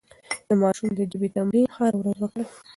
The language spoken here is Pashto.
د ماشوم د ژبې تمرين هره ورځ وکړئ.